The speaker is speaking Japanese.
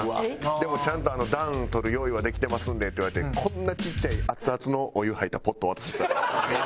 「でもちゃんと暖取る用意はできてますんで」って言われてこんなちっちゃい熱々のお湯入ったポット渡してきた。